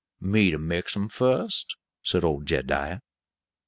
"Me to mix 'em fust?" said old Jed'diah.